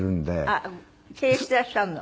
あっ経営してらっしゃるの？